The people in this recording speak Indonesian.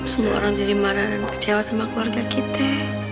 semua orang jadi marah dan kecewa sama keluarga kita